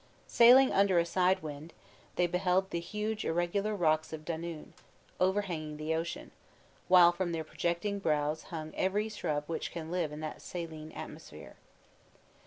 Sailing under a side wind, they beheld the huge irregular rocks of Dunoon, overhanging the ocean; while from their projecting brows hung every shrub which can live in that saline atmosphere.